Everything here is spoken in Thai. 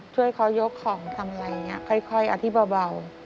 ช่วยเขายกของทำแบบนี้ค่อยเอาที่เบา